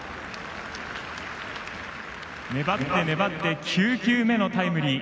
粘って粘って９球目のタイムリー。